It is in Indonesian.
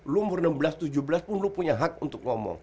lu umur enam belas tujuh belas pun lu punya hak untuk ngomong